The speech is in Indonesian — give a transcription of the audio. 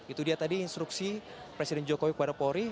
itu dia tadi instruksi presiden jokowi kepada polri